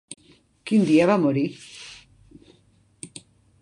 Quin dia va morir?